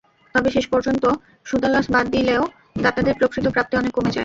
তবে শেষ পর্যন্ত সুদাসল বাদ দিলেও দাতাদের প্রকৃত প্রাপ্তি অনেক কমে যায়।